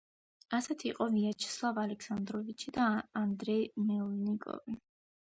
ასეთი იყო ვიაჩესლავ ალექსანდროვი და ანდრეი მელნიკოვი.